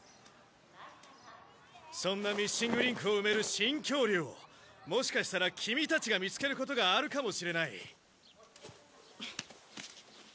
そんなミッシングリンクを埋める新恐竜をもしかしたらキミたちが見つけることがあるかもしれない。